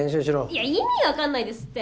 いや意味わかんないですって。